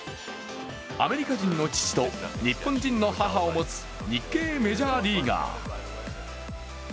アメリカ人の父と日本人の母を持つ日系メジャーリーガー。